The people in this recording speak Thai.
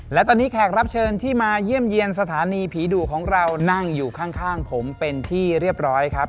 และตอนนี้แขกรับเชิญที่มาเยี่ยมเยี่ยมสถานีผีดุของเรานั่งอยู่ข้างผมเป็นที่เรียบร้อยครับ